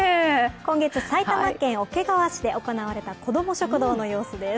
今月、埼玉県桶川市で行われたこども食堂の様子です。